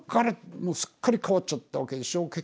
もうすっかり変わっちゃったわけでしょ。